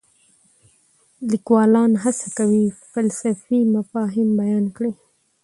لیکوالان هڅه کوي فلسفي مفاهیم بیان کړي.